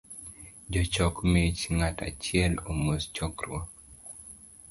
Jochok mich, ng’ato achiel omos chokruok